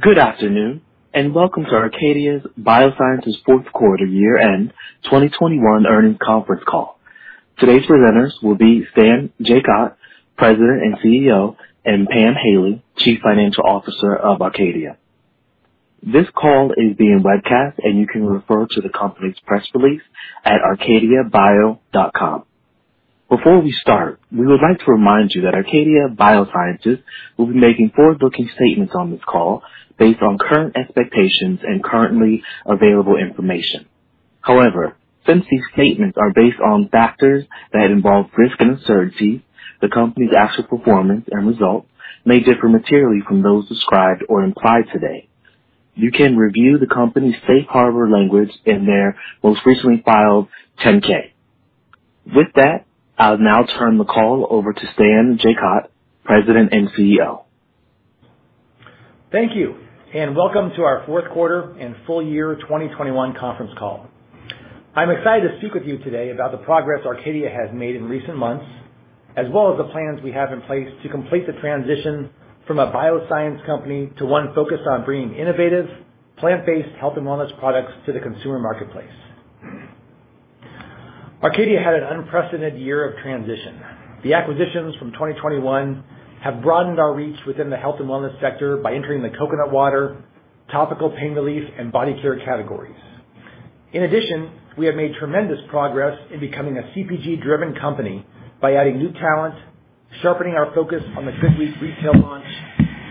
Good afternoon, and welcome to Arcadia Biosciences' fourth quarter year-end 2021 earnings conference call. Today's presenters will be Stan Jacot, President and CEO, and Pam Haley, Chief Financial Officer of Arcadia. This call is being webcast, and you can refer to the company's press release at arcadiabio.com. Before we start, we would like to remind you that Arcadia Biosciences will be making forward-looking statements on this call based on current expectations and currently available information. However, since these statements are based on factors that involve risk and uncertainty, the company's actual performance and results may differ materially from those described or implied today. You can review the company's safe harbor language in their most recently filed 10-K. With that, I'll now turn the call over to Stan Jacot, President and CEO. Thank you, and welcome to our fourth quarter and full year 2021 conference call. I'm excited to speak with you today about the progress Arcadia has made in recent months, as well as the plans we have in place to complete the transition from a bioscience company to one focused on bringing innovative plant-based health and wellness products to the consumer marketplace. Arcadia had an unprecedented year of transition. The acquisitions from 2021 have broadened our reach within the health and wellness sector by entering the coconut water, topical pain relief, and body care categories. In addition, we have made tremendous progress in becoming a CPG-driven company by adding new talent, sharpening our focus on the GoodWheat retail launch,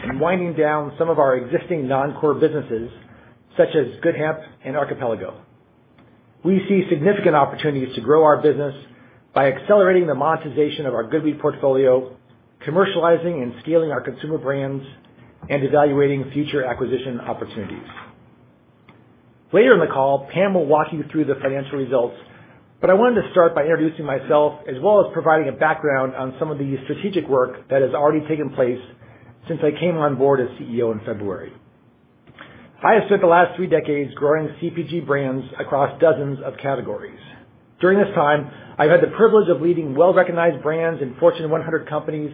and winding down some of our existing non-core businesses such as GoodHemp and Archipelago. We see significant opportunities to grow our business by accelerating the monetization of our GoodWheat portfolio, commercializing and scaling our consumer brands, and evaluating future acquisition opportunities. Later in the call, Pam will walk you through the financial results, but I wanted to start by introducing myself as well as providing a background on some of the strategic work that has already taken place since I came on board as CEO in February. I have spent the last three decades growing CPG brands across dozens of categories. During this time, I've had the privilege of leading well-recognized brands in Fortune 100 companies,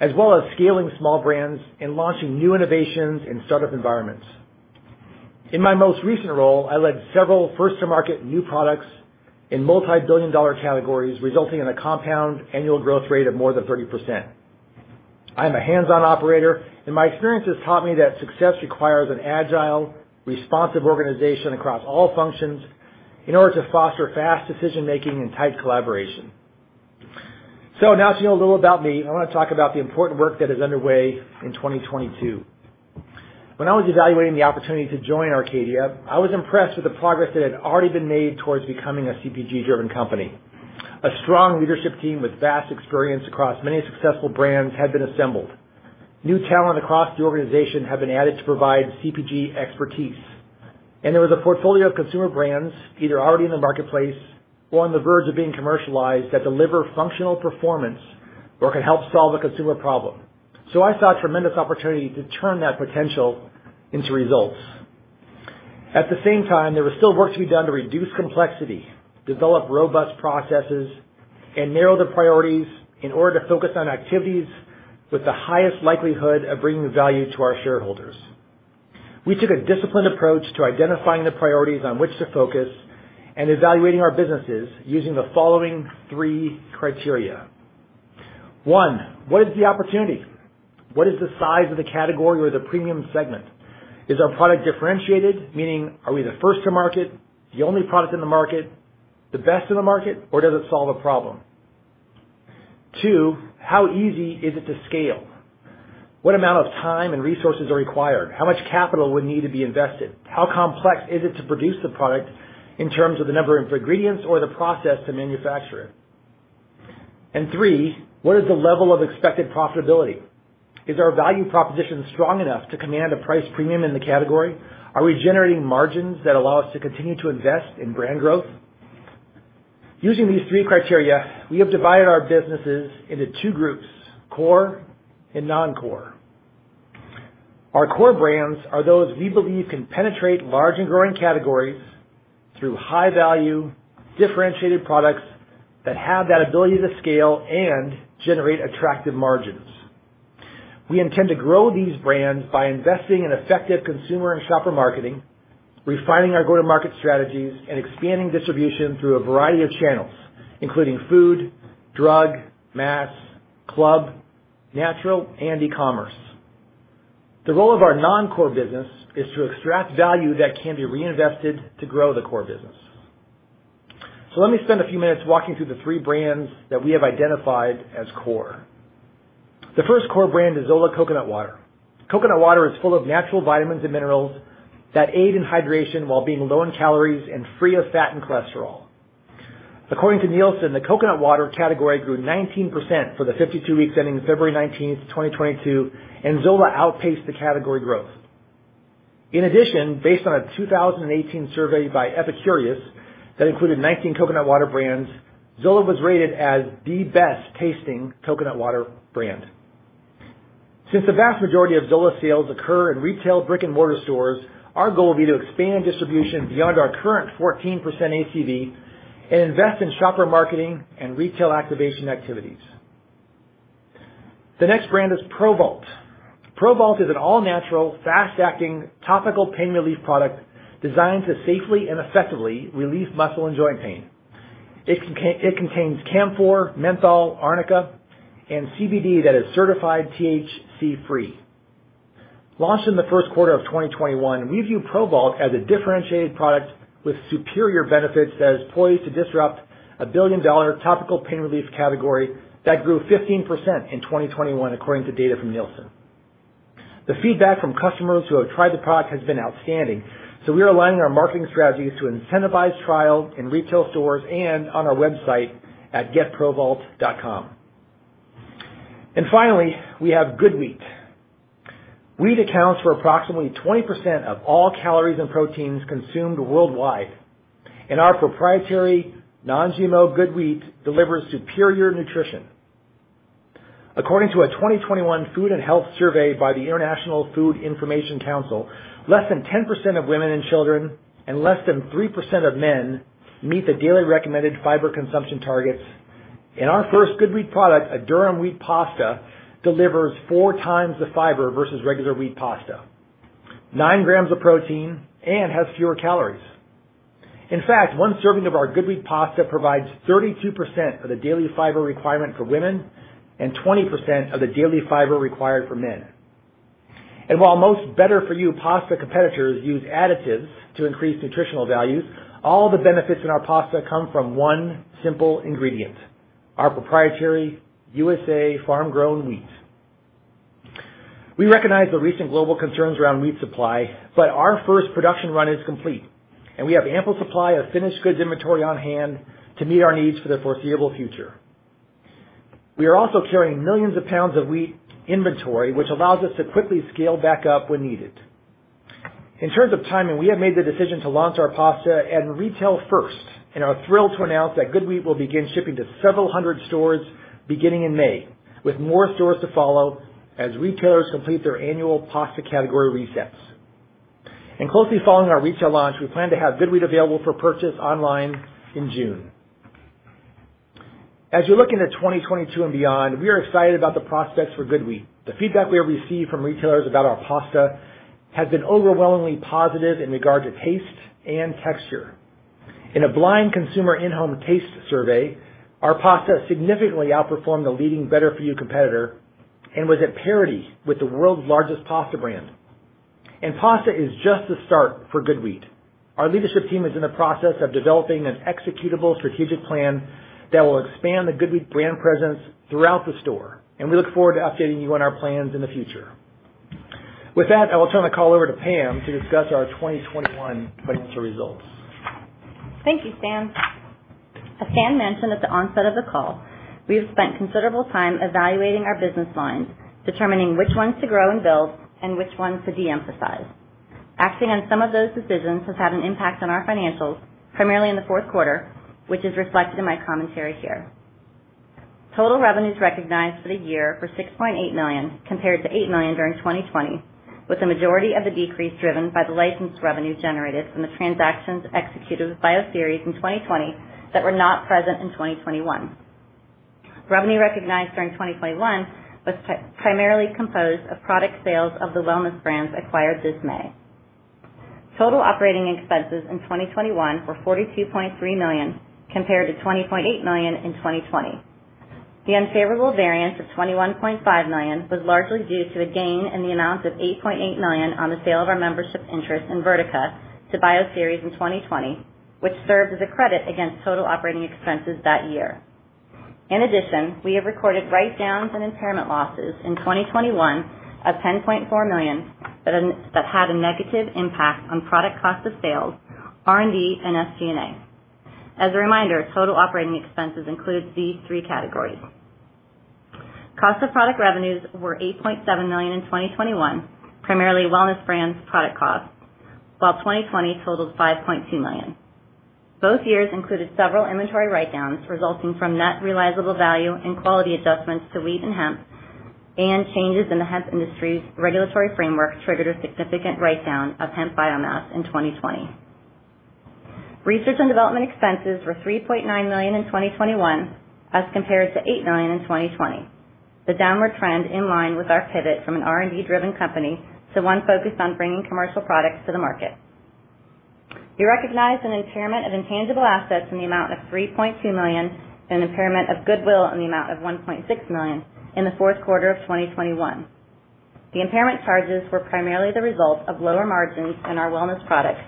as well as scaling small brands and launching new innovations in start-up environments. In my most recent role, I led several first-to-market new products in multi-billion dollar categories, resulting in a compound annual growth rate of more than 30%. I am a hands-on operator, and my experience has taught me that success requires an agile, responsive organization across all functions in order to foster fast decision-making and tight collaboration. Now that you know a little about me, I want to talk about the important work that is underway in 2022. When I was evaluating the opportunity to join Arcadia, I was impressed with the progress that had already been made towards becoming a CPG-driven company. A strong leadership team with vast experience across many successful brands had been assembled. New talent across the organization had been added to provide CPG expertise. And there was a portfolio of consumer brands, either already in the marketplace or on the verge of being commercialized, that deliver functional performance or can help solve a consumer problem. I saw a tremendous opportunity to turn that potential into results. At the same time, there was still work to be done to reduce complexity, develop robust processes, and narrow the priorities in order to focus on activities with the highest likelihood of bringing value to our shareholders. We took a disciplined approach to identifying the priorities on which to focus and evaluating our businesses using the following three criteria. One, what is the opportunity? What is the size of the category or the premium segment? Is our product differentiated? Meaning, are we the first to market, the only product in the market, the best in the market, or does it solve a problem? Two, how easy is it to scale? What amount of time and resources are required? How much capital would need to be invested? How complex is it to produce the product in terms of the number of ingredients or the process to manufacture it? Three, what is the level of expected profitability? Is our value proposition strong enough to command a price premium in the category? Are we generating margins that allow us to continue to invest in brand growth? Using these three criteria, we have divided our businesses into two groups, core and non-core. Our core brands are those we believe can penetrate large and growing categories through high-value, differentiated products that have that ability to scale and generate attractive margins. We intend to grow these brands by investing in effective consumer and shopper marketing, refining our go-to-market strategies, and expanding distribution through a variety of channels, including food, drug, mass, club, natural, and e-commerce. The role of our non-core business is to extract value that can be reinvested to grow the core business. Let me spend a few minutes walking through the three brands that we have identified as core. The first core brand is Zola Coconut Water. Coconut water is full of natural vitamins and minerals that aid in hydration while being low in calories and free of fat and cholesterol. According to Nielsen, the coconut water category grew 19% for the 52 weeks ending February 19th, 2022, and Zola outpaced the category growth. In addition, based on a 2018 survey by Epicurious that included 19 coconut water brands, Zola was rated as the best tasting coconut water brand. Since the vast majority of Zola sales occur in retail brick-and-mortar stores, our goal will be to expand distribution beyond our current 14% ACV and invest in shopper marketing and retail activation activities. The next brand is ProVault. ProVault is an all-natural, fast-acting topical pain relief product designed to safely and effectively relieve muscle and joint pain. It contains camphor, menthol, arnica, and CBD that is certified THC-free. Launched in the first quarter of 2021, we view ProVault as a differentiated product with superior benefits that is poised to disrupt a billion-dollar topical pain relief category that grew 15% in 2021 according to data from Nielsen. The feedback from customers who have tried the product has been outstanding. We are aligning our marketing strategies to incentivize trial in retail stores and on our website at getprovault.com. Finally, we have GoodWheat. Wheat accounts for approximately 20% of all calories and proteins consumed worldwide, and our proprietary non-GMO GoodWheat delivers superior nutrition. According to a 2021 food and health survey by the International Food Information Council, less than 10% of women and children and less than 3% of men meet the daily recommended fiber consumption targets. Our first GoodWheat product, a durum wheat pasta, delivers four times the fiber versus regular wheat pasta, 9 grams of protein, and has fewer calories. In fact, one serving of our GoodWheat pasta provides 32% of the daily fiber requirement for women and 20% of the daily fiber required for men. While most better-for-you pasta competitors use additives to increase nutritional value, all the benefits in our pasta come from one simple ingredient, our proprietary U.S. farm-grown wheat. We recognize the recent global concerns around wheat supply, but our first production run is complete and we have ample supply of finished goods inventory on hand to meet our needs for the foreseeable future. We are also carrying millions of pounds of wheat inventory, which allows us to quickly scale back up when needed. In terms of timing, we have made the decision to launch our pasta at retail first, and are thrilled to announce that GoodWheat will begin shipping to several hundred stores beginning in May, with more stores to follow as retailers complete their annual pasta category resets. Closely following our retail launch, we plan to have GoodWheat available for purchase online in June. As we look into 2022 and beyond, we are excited about the prospects for GoodWheat. The feedback we have received from retailers about our pasta has been overwhelmingly positive in regard to taste and texture. In a blind consumer in-home taste survey, our pasta significantly outperformed the leading better-for-you competitor and was at parity with the world's largest pasta brand. Pasta is just the start for GoodWheat. Our leadership team is in the process of developing an executable strategic plan that will expand the GoodWheat brand presence throughout the store, and we look forward to updating you on our plans in the future. With that, I will turn the call over to Pam to discuss our 2021 financial results. Thank you, Stan. As Stan mentioned at the onset of the call, we have spent considerable time evaluating our business lines, determining which ones to grow and build and which ones to de-emphasize. Acting on some of those decisions has had an impact on our financials, primarily in the fourth quarter, which is reflected in my commentary here. Total revenues recognized for the year were $6.8 million compared to $8 million during 2020, with the majority of the decrease driven by the license revenues generated from the transactions executed with Bioceres in 2020 that were not present in 2021. Revenue recognized during 2021 was primarily composed of product sales of the wellness brands acquired this May. Total operating expenses in 2021 were $42.3 million compared to $20.8 million in 2020. The unfavorable variance of $21.5 million was largely due to a gain in the amount of $8.8 million on the sale of our membership interest in Verdeca to Bioceres in 2020, which served as a credit against total operating expenses that year. In addition, we have recorded write-downs and impairment losses in 2021 of $10.4 million that had a negative impact on product cost of sales, R&D, and SG&A. As a reminder, total operating expenses include these three categories. Cost of product revenues were $8.7 million in 2021, primarily wellness brands product costs, while 2020 totaled $5.2 million. Both years included several inventory write-downs resulting from net realizable value and quality adjustments to wheat and hemp, and changes in the hemp industry's regulatory framework triggered a significant write-down of hemp biomass in 2020. Research and development expenses were $3.9 million in 2021, as compared to $8 million in 2020. The downward trend is in line with our pivot from an R&D-driven company to one focused on bringing commercial products to the market. We recognized an impairment of intangible assets in the amount of $3.2 million and an impairment of goodwill in the amount of $1.6 million in the fourth quarter of 2021. The impairment charges were primarily the result of lower margins in our wellness products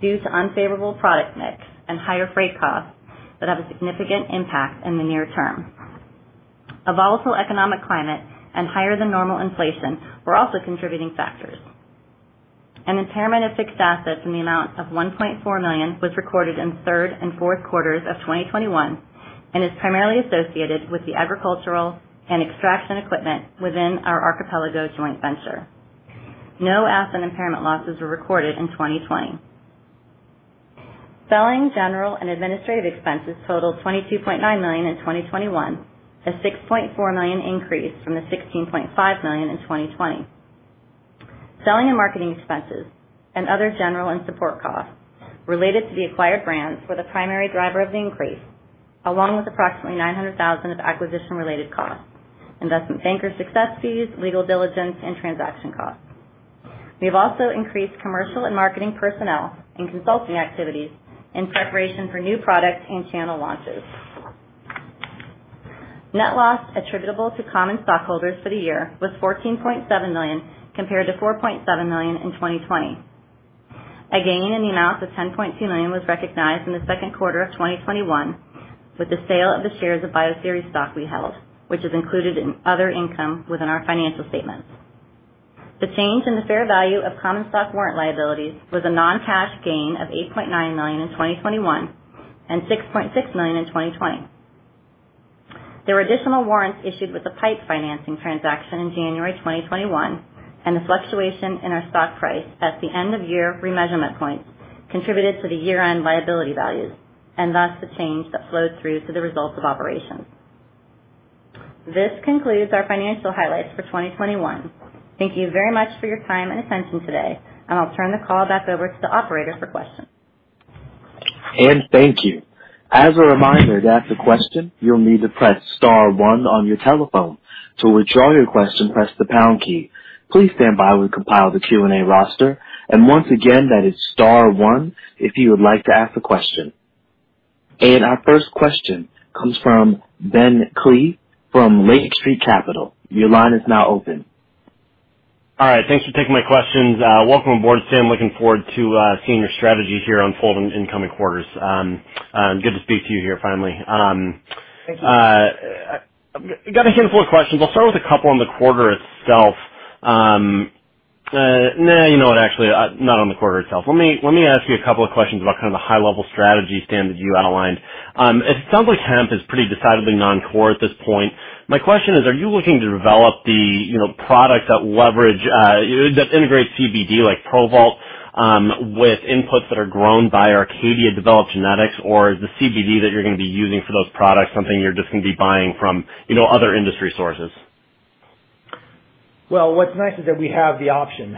due to unfavorable product mix and higher freight costs that have a significant impact in the near term. A volatile economic climate and higher than normal inflation were also contributing factors. An impairment of fixed assets in the amount of $1.4 million was recorded in third and fourth quarters of 2021 and is primarily associated with the agricultural and extraction equipment within our Archipelago joint venture. No asset impairment losses were recorded in 2020. Selling, general, and administrative expenses totaled $22.9 million in 2021, a $6.4 million increase from the $16.5 million in 2020. Selling and marketing expenses and other general and support costs related to the acquired brands were the primary driver of the increase, along with approximately $900,000 of acquisition related costs, investment banker success fees, legal diligence and transaction costs. We have also increased commercial and marketing personnel and consulting activities in preparation for new product and channel launches. Net loss attributable to common stockholders for the year was $14.7 million, compared to $4.7 million in 2020. A gain in the amount of $10.2 million was recognized in the second quarter of 2021 with the sale of the shares of Bioceres stock we held, which is included in other income within our financial statements. The change in the fair value of common stock warrant liabilities was a non-cash gain of $8.9 million in 2021 and $6.6 million in 2020. There were additional warrants issued with the PIPE financing transaction in January 2021, and the fluctuation in our stock price at the end of year remeasurement points contributed to the year-end liability values and thus the change that flowed through to the results of operations. This concludes our financial highlights for 2021. Thank you very much for your time and attention today, and I'll turn the call back over to the operator for questions. Thank you. As a reminder, to ask a question, you'll need to press star one on your telephone. To withdraw your question, press the pound key. Once again, that is star one if you would like to ask a question. Our first question comes from Ben Klieve from Lake Street Capital. Your line is now open. All right. Thanks for taking my questions. Welcome aboard, Stan. Looking forward to seeing your strategies here unfold in incoming quarters. Good to speak to you here finally. Thank you. Got a handful of questions. I'll start with a couple on the quarter itself. You know what, actually, not on the quarter itself. Let me ask you a couple of questions about kind of the high level strategy, Stan, that you outlined. It sounds like hemp is pretty decidedly non-core at this point. My question is, are you looking to develop the, you know, product that leverage that integrates CBD like ProVault with inputs that are grown by Arcadia developed genetics? Or is the CBD that you're gonna be using for those products something you're just gonna be buying from, you know, other industry sources? Well, what's nice is that we have the option.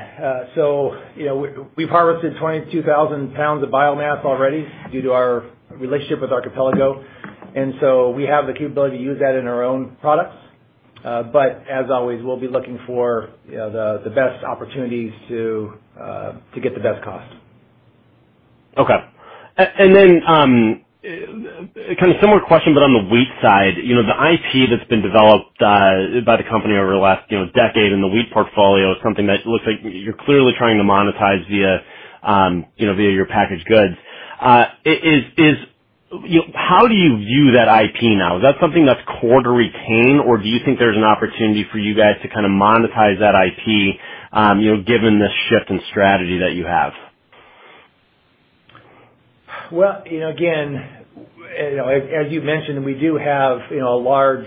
You know, we've harvested 22,000 pounds of biomass already due to our relationship with Archipelago. We have the capability to use that in our own products. As always, we'll be looking for, you know, the best opportunities to get the best cost. Okay. Kind of similar question, but on the wheat side. You know, the IP that's been developed by the company over the last, you know, decade in the wheat portfolio is something that looks like you're clearly trying to monetize via, you know, via your packaged goods. You know, how do you view that IP now? Is that something that's core to retain? Or do you think there's an opportunity for you guys to kinda monetize that IP, you know, given the shift in strategy that you have? Well, you know, again, you know, as you've mentioned, we do have, you know, a large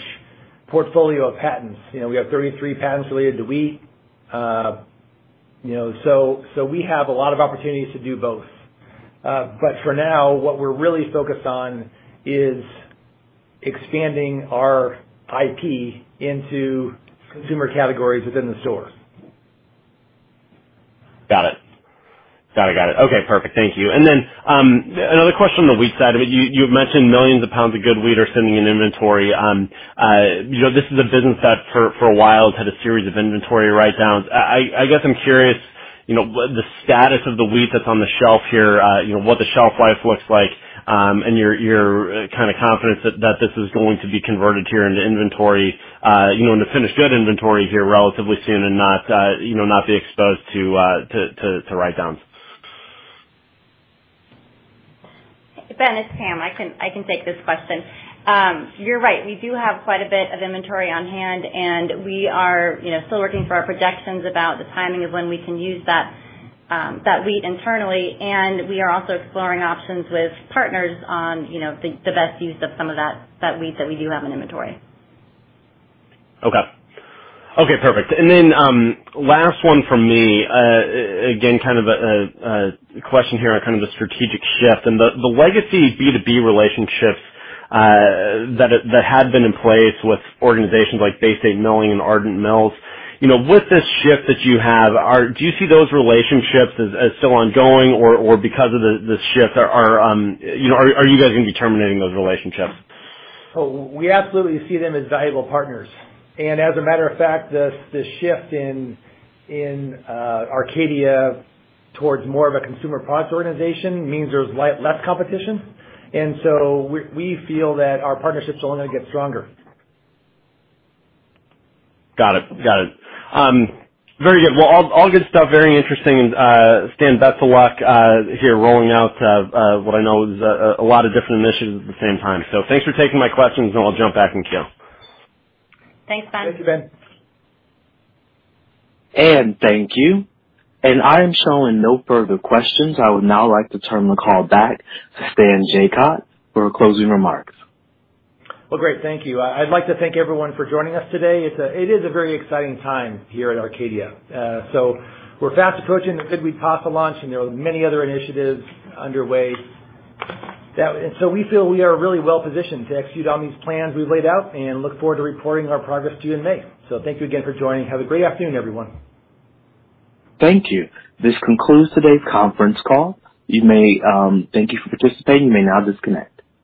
portfolio of patents. You know, we have 33 patents related to wheat. You know, so we have a lot of opportunities to do both. But for now, what we're really focused on is expanding our IP into consumer categories within the store. Got it. Okay, perfect. Thank you. Then, another question on the wheat side of it. You've mentioned millions of pounds of GoodWheat are sitting in inventory. You know, this is a business that for a while had a series of inventory write-downs. I guess I'm curious, you know, the status of the wheat that's on the shelf here, you know, what the shelf life looks like, and your kinda confidence that this is going to be converted here into inventory, you know, into finished goods inventory here relatively soon and not, you know, not be exposed to write-downs. Ben, it's Pam. I can take this question. You're right. We do have quite a bit of inventory on hand, and we are, you know, still working through our projections about the timing of when we can use that wheat internally. We are also exploring options with partners on, you know, the best use of some of that wheat that we do have in inventory. Okay. Okay, perfect. Last one from me. Again, kind of a question here on kind of the strategic shift and the legacy B2B relationships that had been in place with organizations like Bay State Milling and Ardent Mills. You know, with this shift that you have, do you see those relationships as still ongoing? Or, because of the shift, you know, are you guys gonna be terminating those relationships? We absolutely see them as valuable partners. As a matter of fact, the shift in Arcadia towards more of a consumer products organization means there's less competition. We feel that our partnership's only gonna get stronger. Got it. Very good. Well, all good stuff. Very interesting. Stan, best of luck here rolling out what I know is a lot of different initiatives at the same time. Thanks for taking my questions, and I'll jump back in queue. Thanks, Ben. Thank you, Ben. Thank you. I am showing no further questions. I would now like to turn the call back to Stan Jacot for closing remarks. Well, great. Thank you. I'd like to thank everyone for joining us today. It is a very exciting time here at Arcadia. We're fast approaching the GoodWheat pasta launch, and there are many other initiatives underway. We feel we are really well positioned to execute on these plans we've laid out and look forward to reporting our progress to you in May. Thank you again for joining. Have a great afternoon, everyone. Thank you. This concludes today's conference call. Thank you for participating. You may now disconnect.